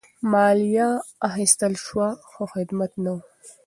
مالیه اخیستل شوه خو خدمت نه وو.